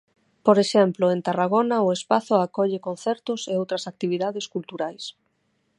Por exemplo, en Tarragona o espazo acolle concertos e outras actividades culturais.